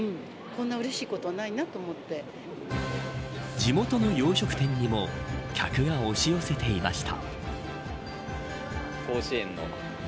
地元の洋食店にも客が押し寄せていました。